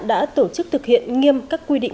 đã tổ chức thực hiện nghiêm các quy định